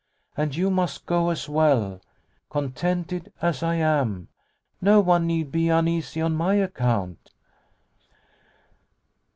And you must go as well. Contented as I am, no one need be uneasy on my account."